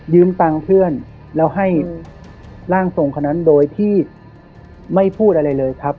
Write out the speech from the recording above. ตังค์เพื่อนแล้วให้ร่างทรงคนนั้นโดยที่ไม่พูดอะไรเลยครับ